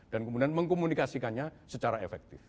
dan kemudian mengkomunikasikannya secara efektif